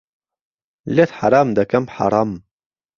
لێت حهرام دهکهم حهڕەم